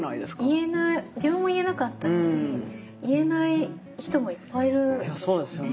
言えない自分も言えなかったし言えない人もいっぱいいるでしょうね。